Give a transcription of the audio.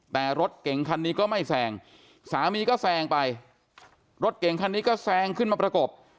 แต่รถเก่งคันนี้ก็ไม่แซงสามีก็แซงไปรถเก่งคันนี้ก็แซงขึ้นมาประกบ